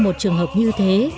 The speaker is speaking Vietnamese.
một trường hợp như thế